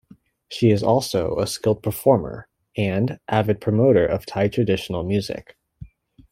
She is also a skilled performer and avid promoter of Thai traditional music.